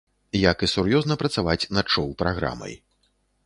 Як і сур'ёзна працаваць над шоў-праграмай.